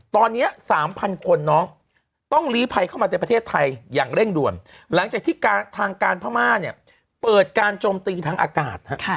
ตอนนี้๓๐๐คนน้องต้องลีภัยเข้ามาในประเทศไทยอย่างเร่งด่วนหลังจากที่ทางการพม่าเนี่ยเปิดการโจมตีทางอากาศ